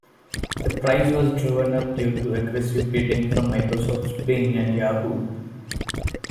The price was driven up due to aggressive bidding from Microsoft's Bing and Yahoo!